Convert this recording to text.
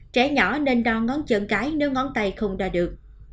trẻ nhỏ nên đo ngón chân cái nếu ngón tay không đo được